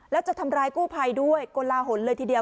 แล้วจะทำร้ายกู้ภัยด้วยกลลาหลเลยทีเดียว